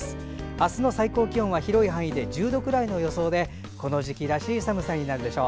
明日の最高気温は広い範囲で１０度くらいの予想でこの時期らしい寒さになるでしょう。